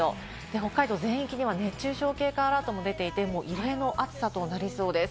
北海道全域では熱中症警戒アラートも出ていて、異例の暑さとなりそうです。